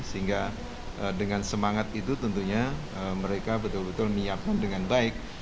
sehingga dengan semangat itu tentunya mereka betul betul menyiapkan dengan baik